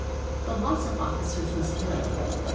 The loss of officers was heavy.